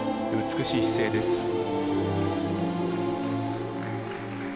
美しい姿勢です。